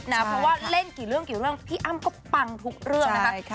เพราะว่าเล่นกี่เรื่องพี่อ้ามก็ปังทุกเรื่องนะคะ